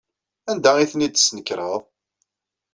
Anda ay ten-id-tesnekreḍ?